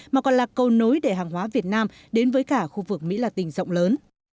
mà còn là câu nối để hàng hóa việt nam đến với cả khu vực mỹ là tình rộng lớn